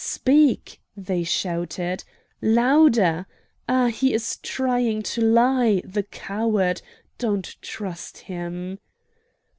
"Speak!" they shouted. "Louder! Ah! he is trying to lie, the coward! Don't trust him."